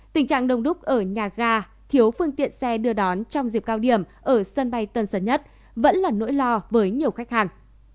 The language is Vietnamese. tình trạng đông đúc ở nhà ga thiếu phương tiện xe đưa đón trong dịp cao điểm ở sân bay tân sơn nhất vẫn là nỗi lo với nhiều khách hàng